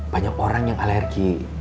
banyak orang yang alergi